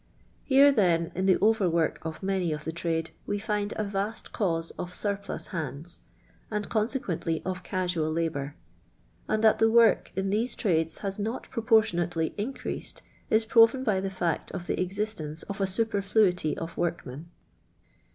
ilerc then, in the" over work of many of the trade, we tind a vast cause of surpUii iiai:ds, and, consequently, of casual labour ; and that the work in these trades has not proportionately increa.vd is proven by the fact of the existence of a sujierlluity of workmen.